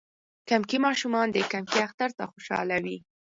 کمکي ماشومان د کمکی اختر ته خوشحاله وی.